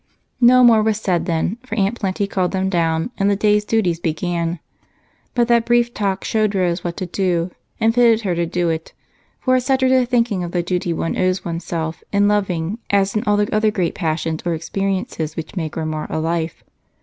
No more was said then, for Aunt Plenty called them down and the day's duties began. But that brief talk showed Rose what to do and fitted her to do it, for it set her to thinking of the duty one owes one's self in loving as in all the other great passions or experiences which make or mar a life.